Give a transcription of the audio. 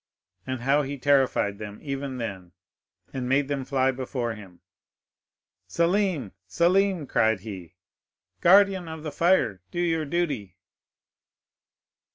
and how he terrified them, even then, and made them fly before him! 'Selim, Selim!' cried he, 'guardian of the fire, do your duty!